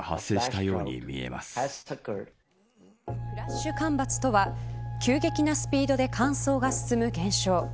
フラッシュ干ばつとは急激なスピードで乾燥が進む現象。